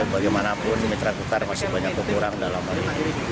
walaupun mitra gukar masih banyak kekurang dalam hal ini